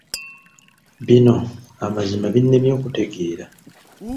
Bino amazima binnemye okutegeera.